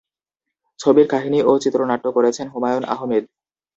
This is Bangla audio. ছবির কাহিনি ও চিত্রনাট্য করেছেন হুমায়ূন আহমেদ।